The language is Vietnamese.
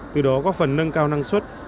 từ đó có phần nâng cao năng suất